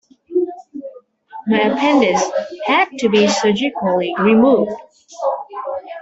My appendix had to be surgically removed.